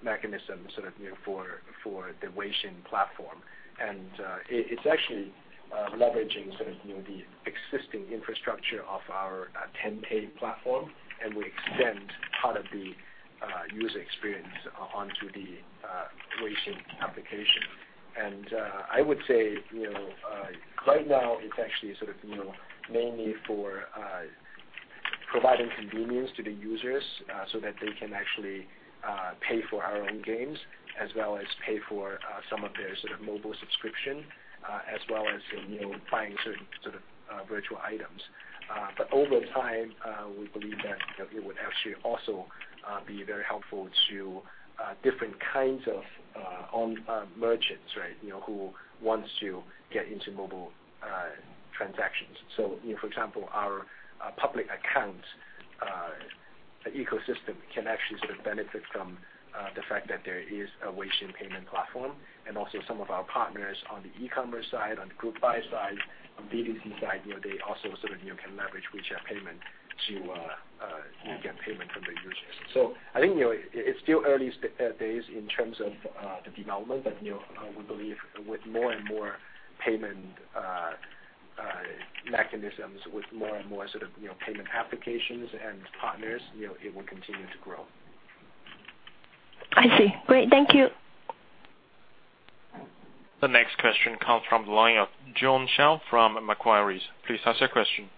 mechanism sort of for the Weixin platform. It's actually leveraging sort of the existing infrastructure of our Tenpay platform, and we extend part of the user experience onto the Weixin application. I would say, right now it's actually sort of mainly for providing convenience to the users, so that they can actually pay for our own games as well as pay for some of their sort of mobile subscription, as well as buying certain sort of virtual items. Over time, we believe that it would actually also be very helpful to different kinds of merchants, right, who wants to get into mobile transactions. For example, our public account ecosystem can actually sort of benefit from the fact that there is a Weixin Pay platform, also some of our partners on the e-commerce side, on the group buy side, on B2C side they also sort of can leverage Weixin Pay to get payment from the users. I think it's still early days in terms of the development, but we believe with more and more payment mechanisms, with more and more sort of payment applications and partners, it will continue to grow. I see. Great. Thank you. The next question comes from the line of Jiong Shao from Macquarie. Please ask your question.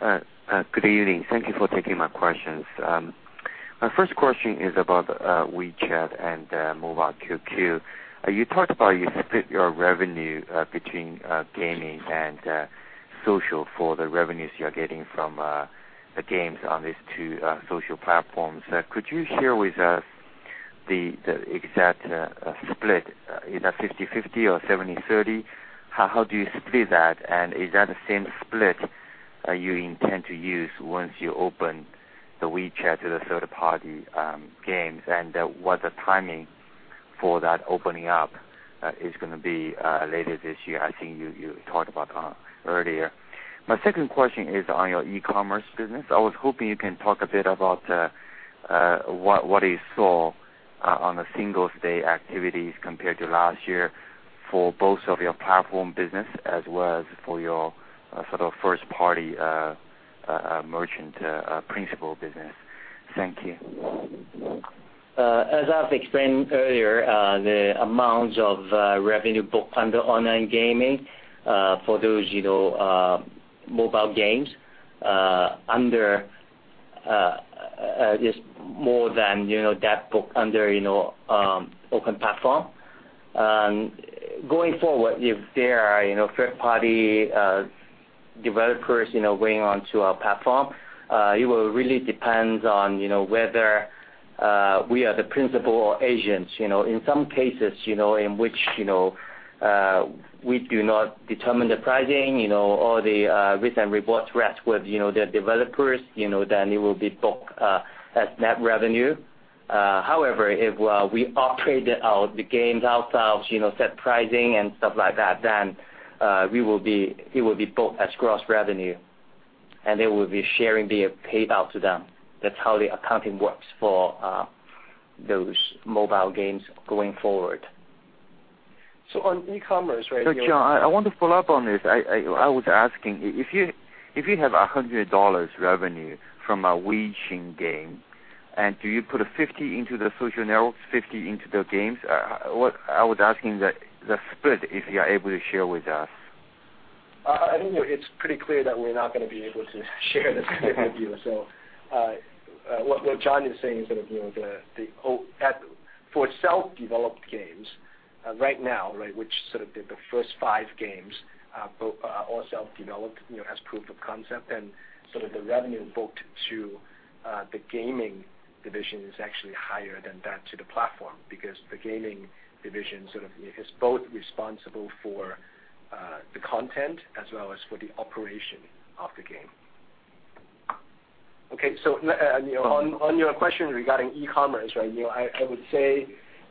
Good evening. Thank you for taking my questions. My first question is about WeChat and Mobile QQ. You talked about you split your revenue between gaming and social for the revenues you're getting from the games on these two social platforms. Could you share with us the exact split? Is that 50/50 or 70/30? How do you split that, and is that the same split you intend to use once you open the WeChat to the third-party games? What the timing for that opening up is going to be later this year, I think you talked about earlier. My second question is on your e-commerce business. I was hoping you can talk a bit about what you saw on the Singles' Day activities compared to last year for both of your platform business as well as for your sort of first-party merchant principal business. Thank you. As I've explained earlier, the amounts of revenue booked under online gaming, for those mobile games is more than that booked under open platform. Going forward, if there are third-party developers going onto our platform, it will really depend on whether we are the principal or agents. In some cases in which we do not determine the pricing, or the risk and rewards rest with the developers, then it will be booked as net revenue. However, if we operate the games ourselves, set pricing and stuff like that, then it will be booked as gross revenue, and they will be sharing the payout to them. That's how the accounting works for those mobile games going forward. On e-commerce, right. John, I want to follow up on this. I was asking, if you have CNY 100 revenue from a Weixin game, do you put a 50 into the social network, 50 into the games? I was asking the split, if you're able to share with us. I think it's pretty clear that we're not going to be able to share the split with you. What John is saying is that for self-developed games right now, which sort of the first five games are all self-developed as proof of concept, sort of the revenue booked to the gaming division is actually higher than that to the platform, because the gaming division sort of is both responsible for the content as well as for the operation of the game. Okay. On your question regarding e-commerce, right. I would say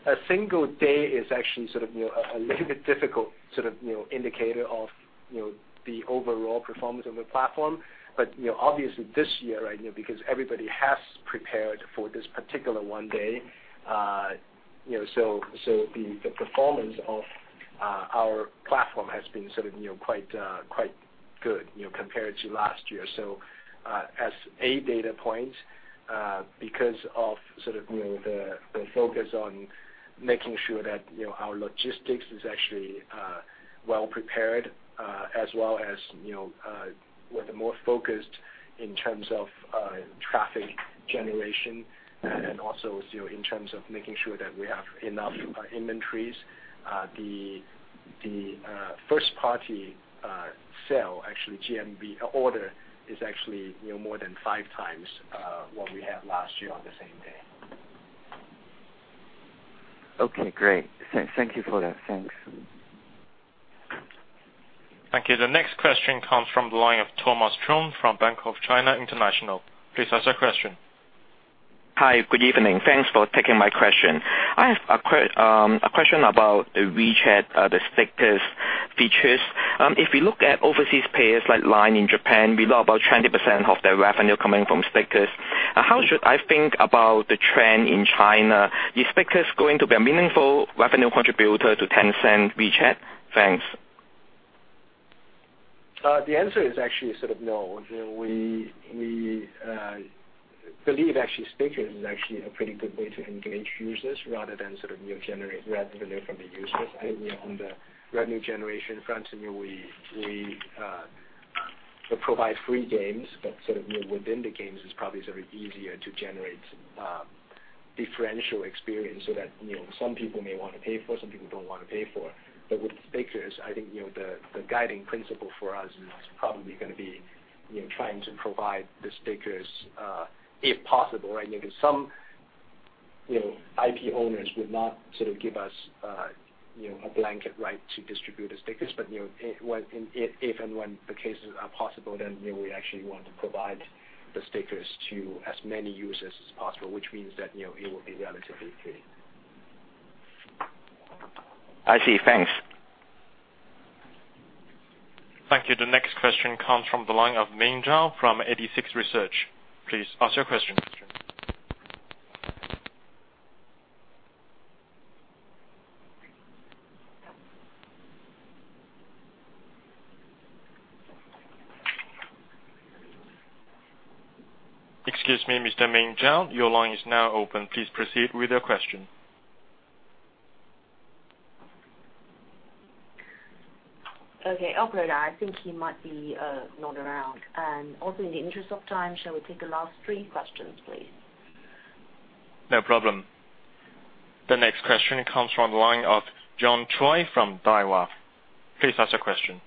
a Singles' Day is actually sort of a little bit difficult sort of indicator of the overall performance of a platform. Obviously this year, right, because everybody has prepared for this particular one day, the performance of our platform has been quite good compared to last year. As a data point, because of the focus on making sure that our logistics is actually well-prepared, as well as we're more focused in terms of traffic generation and also in terms of making sure that we have enough inventories. The first party sale, actually, GMV order is actually more than five times what we had last year on the same day. Okay, great. Thank you for that. Thanks. Thank you. The next question comes from the line of Thomas Chong from Bank of China International. Please ask your question. Hi, good evening. Thanks for taking my question. I have a question about WeChat, the stickers features. If you look at overseas players like Line in Japan, we know about 20% of their revenue coming from stickers. How should I think about the trend in China? Is stickers going to be a meaningful revenue contributor to Tencent WeChat? Thanks. The answer is actually sort of no. We believe actually stickers is actually a pretty good way to engage users rather than generate revenue from the users. On the revenue generation front, we provide free games, but within the games it is probably easier to generate differential experience so that some people may want to pay for it, some people do not want to pay for it. With stickers, I think, the guiding principle for us is probably going to be trying to provide the stickers, if possible. Some IP owners would not give us a blanket right to distribute the stickers. If and when the cases are possible, then we actually want to provide the stickers to as many users as possible, which means that it will be relatively free. I see. Thanks. Thank you. The next question comes from the line of Ming Zhao from 86Research. Please ask your question. Excuse me, Mr. Ming Zhao, your line is now open. Please proceed with your question. Okay. Operator, I think he might be not around. Also in the interest of time, shall we take the last three questions, please? No problem. The next question comes from the line of John Choi from Daiwa. Please ask your question.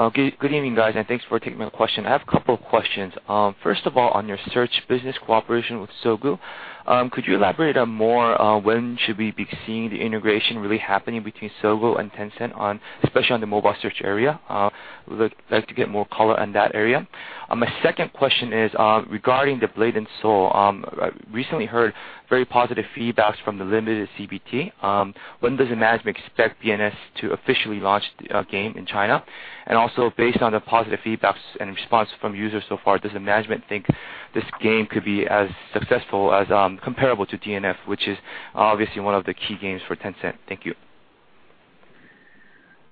Okay. Good evening, guys, and thanks for taking my question. I have a couple of questions. First of all, on your search business cooperation with Sogou, could you elaborate more on when should we be seeing the integration really happening between Sogou and Tencent, especially on the mobile search area? Would like to get more color on that area. My second question is regarding the Blade & Soul. I recently heard very positive feedback from the limited CBT. When does the management expect BNS to officially launch the game in China? Also based on the positive feedback and response from users so far, does the management think this game could be as successful as comparable to DNF, which is obviously one of the key games for Tencent? Thank you.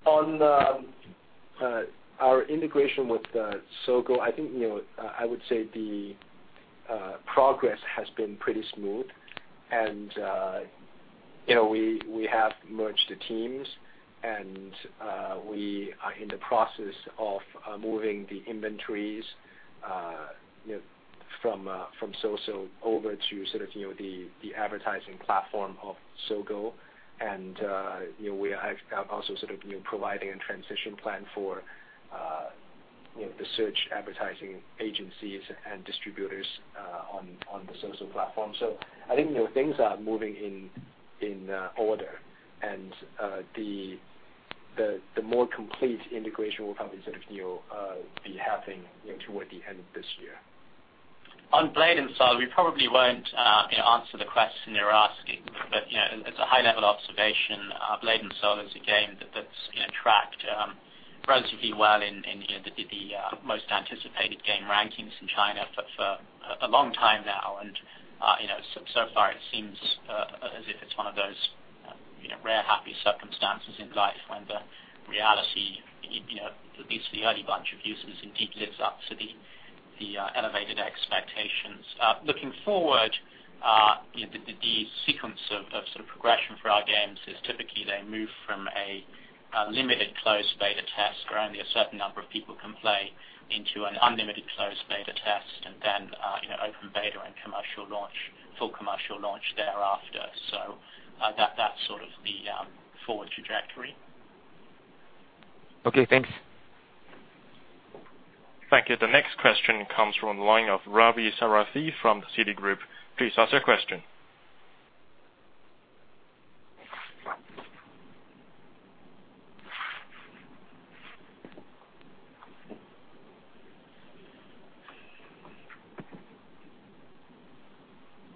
On our integration with Sogou, I would say the progress has been pretty smooth. We have merged the teams, and we are in the process of moving the inventories from Soso over to the advertising platform of Sogou. We are also providing a transition plan for the search advertising agencies and distributors on the Soso platform. Things are moving in order and the more complete integration will probably be happening toward the end of this year. On Blade & Soul, we probably won't answer the question you're asking, as a high-level observation, Blade & Soul is a game that's tracked relatively well in the most anticipated game rankings in China for a long time now. So far it seems as if it's one of those rare happy circumstances in life when the reality, at least for the early bunch of users, indeed lives up to the elevated expectations. Looking forward, the sequence of progression for our games is typically they move from a limited closed beta test where only a certain number of people can play into an unlimited closed beta test, and then open beta and full commercial launch thereafter. That's sort of the forward trajectory. Okay, thanks. Thank you. The next question comes from the line of Ravi Sarathy from Citigroup. Please ask your question.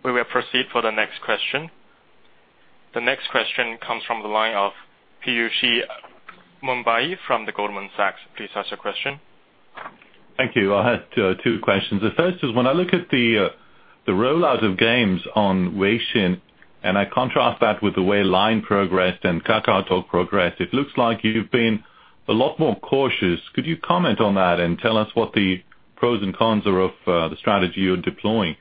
We will proceed for the next question. The next question comes from the line of Piyush Mubayi from Goldman Sachs. Please ask your question. Thank you. I have two questions. The first is when I look at the rollout of games on Weixin, and I contrast that with the way Line progressed and KakaoTalk progressed, it looks like you've been a lot more cautious. Could you comment on that and tell us what the pros and cons are of the strategy you're deploying?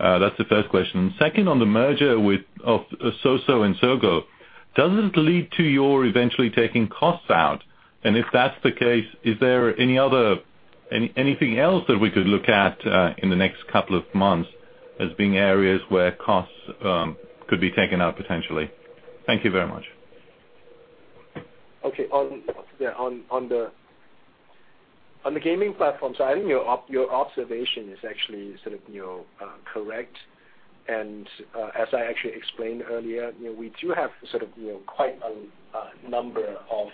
That's the first question. Second, on the merger of Soso and Sogou, does it lead to your eventually taking costs out? If that's the case, is there anything else that we could look at in the next couple of months as being areas where costs could be taken out potentially? Thank you very much. Okay. On the gaming platform side, your observation is actually correct. As I actually explained earlier, we do have quite a number of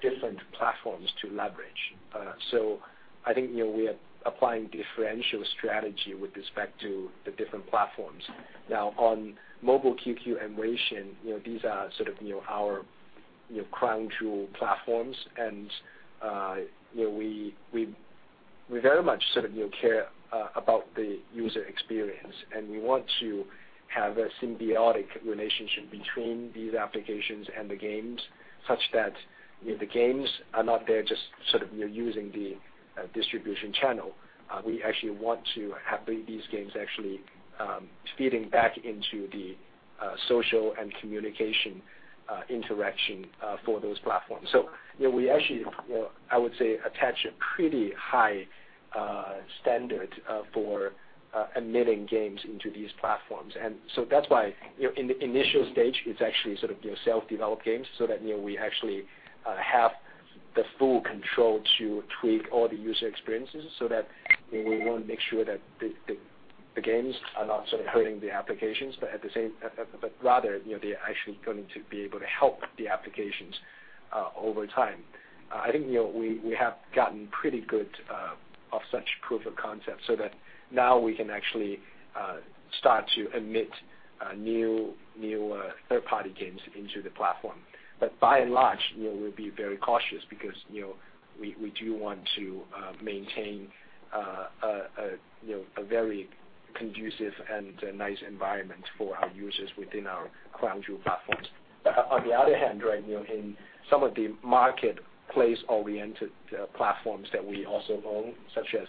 different platforms to leverage. I think we are applying differential strategy with respect to the different platforms. Now, on Mobile QQ and Weixin, these are our crown jewel platforms. We very much care about the user experience, and we want to have a symbiotic relationship between these applications and the games, such that the games are not there just using the distribution channel. We actually want to have these games actually feeding back into the social and communication interaction for those platforms. We actually, I would say, attach a pretty high standard for admitting games into these platforms. That's why in the initial stage, it's actually self-developed games, so that we actually have the full control to tweak all the user experiences, so that we want to make sure that the games are not hurting the applications. Rather, they're actually going to be able to help the applications over time. I think we have gotten pretty good of such proof of concept, so that now we can actually start to admit new third-party games into the platform. By and large, we'll be very cautious because we do want to maintain a very conducive and nice environment for our users within our crown jewel platforms. On the other hand, in some of the market place-oriented platforms that we also own, such as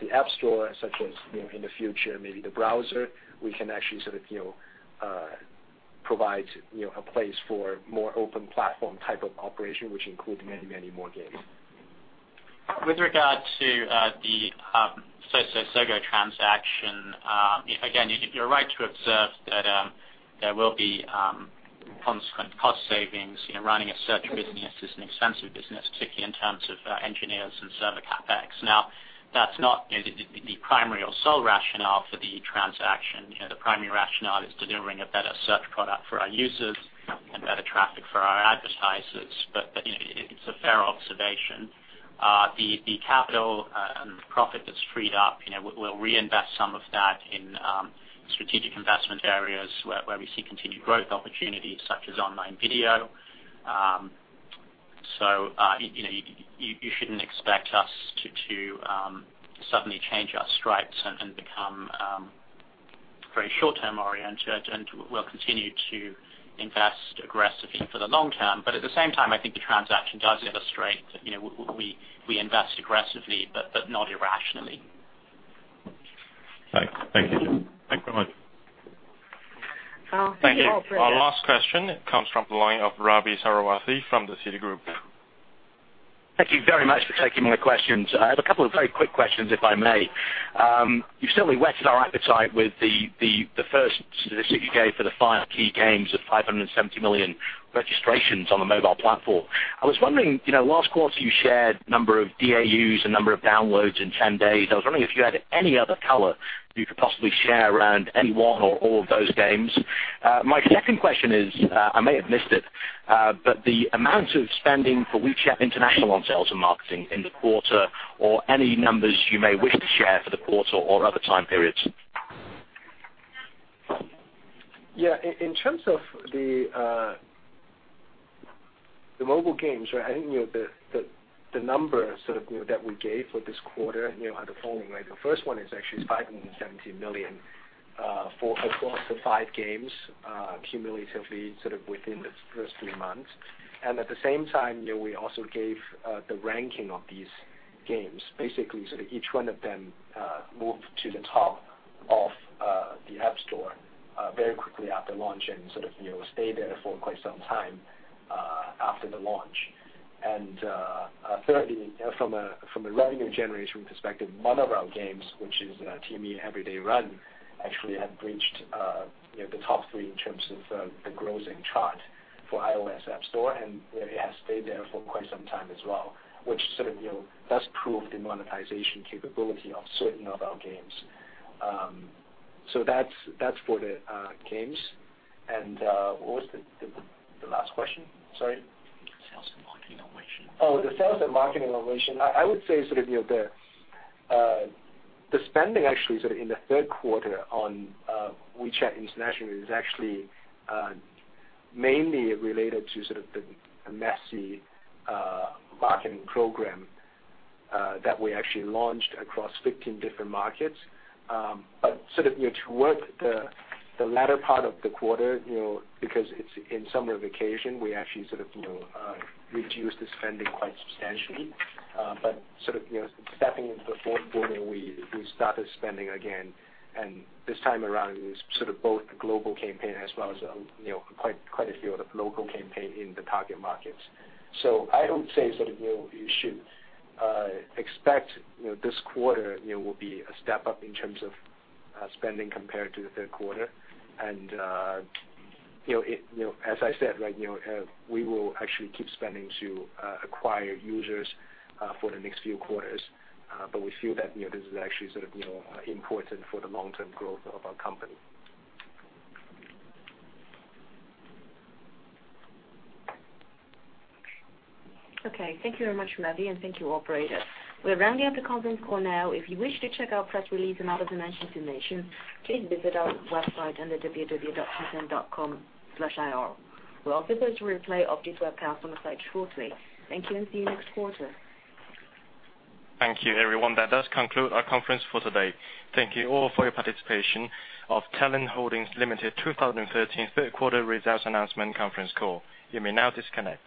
the App Store, such as in the future, maybe the browser, we can actually provide a place for more open platform type of operation, which include many more games. With regard to the Soso-Sogou transaction, again, you're right to observe that there will be consequent cost savings. Running a search business is an expensive business, particularly in terms of engineers and server CapEx. That's not the primary or sole rationale for the transaction. The primary rationale is delivering a better search product for our users and better traffic for our advertisers. It's a fair observation. The capital and profit that's freed up, we'll reinvest some of that in strategic investment areas where we see continued growth opportunities, such as online video. You shouldn't expect us to suddenly change our stripes and become very short-term oriented. We'll continue to invest aggressively for the long term. At the same time, I think the transaction does illustrate that we invest aggressively, but not irrationally. Thank you. Thanks very much. Thank you. Our last question comes from the line of Ravi Sarathy from the Citigroup. Thank you very much for taking my questions. I have a couple of very quick questions, if I may. You've certainly whetted our appetite with the first statistic you gave for the five key games of 570 million registrations on the mobile platform. I was wondering, last quarter you shared number of DAUs and number of downloads in 10 days. I was wondering if you had any other color you could possibly share around any one or all of those games. My second question is, I may have missed it, but the amount of spending for WeChat International on sales and marketing in the quarter, or any numbers you may wish to share for the quarter or other time periods. Yeah. In terms of the mobile games, I think the numbers that we gave for this quarter are the following. The first one is actually 570 million across the five games cumulatively, within the first three months. At the same time, we also gave the ranking of these games. Basically, each one of them moved to the top of the App Store very quickly after launch and stayed there for quite some time after the launch. Thirdly, from a revenue generation perspective, one of our games, which is Timi Run Every Day, actually had reached the top three in terms of the grossing chart for iOS App Store, and it has stayed there for quite some time as well, which does prove the monetization capability of certain of our games. That's for the games. What was the last question? Sorry. Sales and marketing on Weixin. The sales and marketing on Weixin. I would say the spending actually in the third quarter on WeChat International is actually mainly related to the Messi marketing program that we actually launched across 15 different markets. Towards the latter part of the quarter, because it's in summer vacation, we actually reduced the spending quite substantially. Stepping into the fourth quarter, we started spending again, and this time around it was both a global campaign as well as quite a few of the local campaign in the target markets. I would say you should expect this quarter will be a step up in terms of spending compared to the third quarter. As I said, we will actually keep spending to acquire users for the next few quarters. We feel that this is actually important for the long-term growth of our company. Thank you very much, Ravi, and thank you, operator. We are rounding up the conference call now. If you wish to check our press release and other mentioned information, please visit our website under www.tencent.com/ir. We'll also post a replay of this webcast on the site shortly. Thank you and see you next quarter. Thank you, everyone. That does conclude our conference for today. Thank you all for your participation of Tencent Holdings Limited 2013 third quarter results announcement conference call. You may now disconnect.